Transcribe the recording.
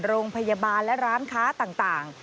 โรงพยาบาลและร้านค้าต่าง